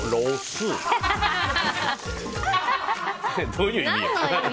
どういう意味？